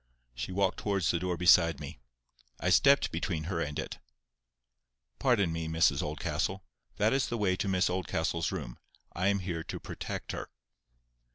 She walked towards the door beside me. I stepped between her and it. "Pardon me, Mrs Oldcastle. That is the way to Miss Oldcastle's room. I am here to protect her."